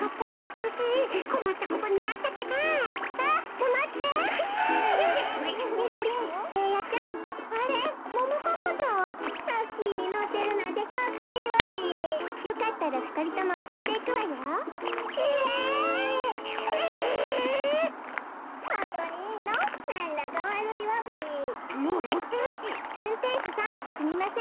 うんてんしゅさんすみません